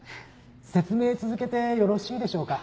説明続けてよろしいでしょうか。